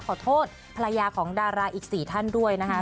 ขอโทษภรรยาของดาราอีก๔ท่านด้วยนะคะ